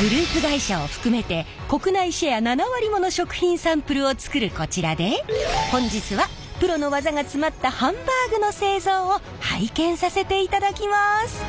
グループ会社を含めて国内シェア７割もの食品サンプルを作るこちらで本日はプロの技が詰まったハンバーグの製造を拝見させていただきます。